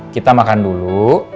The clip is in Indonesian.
kita makan dulu